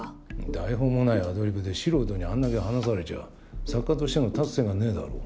台本もないアドリブで素人にあんだけ話されちゃ作家としての立つ瀬がねえだろ。